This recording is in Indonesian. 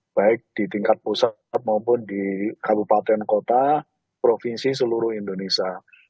baik di tingkat pusat maupun di kabupaten kota provinsi seluruh indonesia